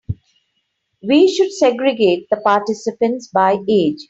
We should segregate the participants by age.